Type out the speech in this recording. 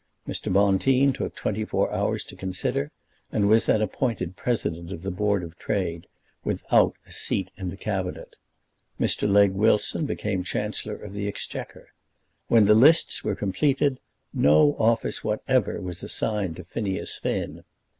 Mr. Bonteen took twenty four hours to consider, and was then appointed President of the Board of Trade without a seat in the Cabinet. Mr. Legge Wilson became Chancellor of the Exchequer. When the lists were completed, no office whatever was assigned to Phineas Finn.